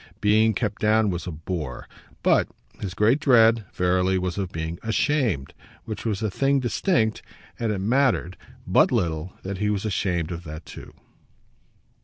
Being kept down was a bore, but his great dread, verily, was of being ashamed, which was a thing distinct; and it mattered but little that he was ashamed of that too.